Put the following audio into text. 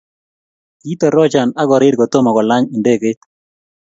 Kitorocha akorir kotomo kolany indeget